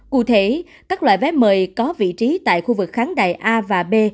cụ thể các loại vé mời có vị trí tại khu vực kháng đại a và b